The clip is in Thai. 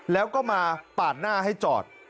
แล้วก็มาปาดหน้าให้จอด